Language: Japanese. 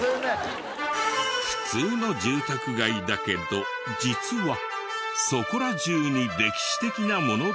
普通の住宅街だけど実はそこら中に歴史的なものだらけ。